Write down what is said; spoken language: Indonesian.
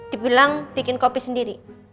dibilang bikin kopi sendiri